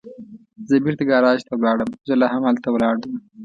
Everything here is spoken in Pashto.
زه بېرته ګاراج ته ولاړم، زه لا همالته ولاړ ووم.